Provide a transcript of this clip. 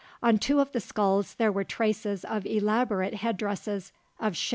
On two of the skulls there were traces of elaborate head dresses of shell beads.